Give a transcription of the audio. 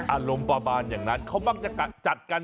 อารมณ์ประมาณอย่างนั้นเขามักจะจัดกัน